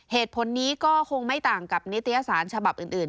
เหตุผลนี้ก็คงไม่ต่างกับนิตยสารฉบับอื่น